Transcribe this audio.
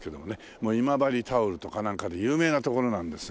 もう今治タオルとかなんかで有名な所なんですが。